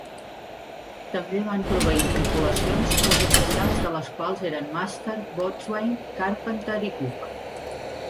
També van proveir tripulacions els oficials de les quals eren Master, Boatswain, Carpenter i Cook.